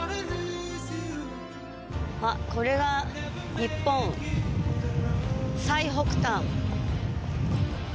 あっこれが日本最北端。